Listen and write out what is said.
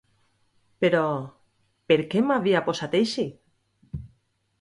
Però, per què m'havia posat així?